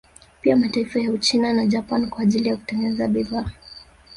Pia mataifa ya Uchina na Japan kwa ajili ya kutengeneza bidhaa